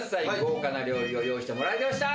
豪華な料理を用意してもらいました。